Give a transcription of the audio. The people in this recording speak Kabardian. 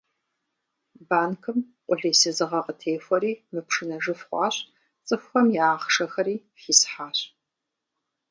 Банкым къулейсызыгъэ къытехуэри мыпшынэжыф хъуащ, цӏыхухэм я ахъшэхэри хисхьащ.